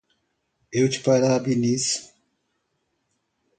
Eu te parabenizo